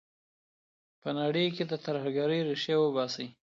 په نړۍ کي د ترهګرۍ ریښې وباسئ.